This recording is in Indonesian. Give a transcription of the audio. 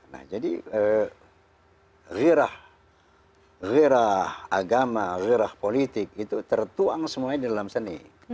nah jadi ghirah ghirah agama ghirah politik itu tertuang semuanya di dalam seni